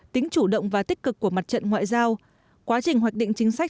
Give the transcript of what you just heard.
tính chủ động và tích cực của mặt trận ngoại giao quá trình hoạch định chính sách